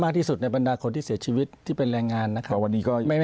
มากที่สุดในบรรดาคนที่เสียชีวิตที่เป็นแรงงานนะครับเพราะวันนี้ก็ไม่